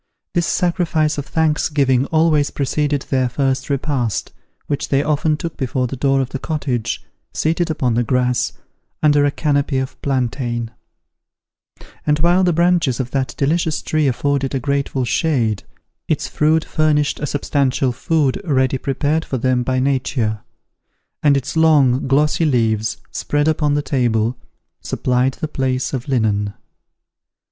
This sacrifice of thanksgiving always preceded their first repast, which they often took before the door of the cottage, seated upon the grass, under a canopy of plantain: and while the branches of that delicious tree afforded a grateful shade, its fruit furnished a substantial food ready prepared for them by nature, and its long glossy leaves, spread upon the table, supplied the place of linen.